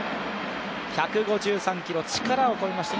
１５３キロ、力を込めました。